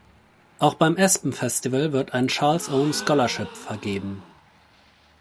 Auch beim "Aspen Festival" wird ein "Charles Owen Scholarship" vergeben.